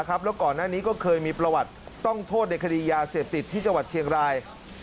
แล้วก่อนหน้านี้ก็เคยมีประวัติต้องโทษในคดียาเสพติดที่จังหวัดเชียงราย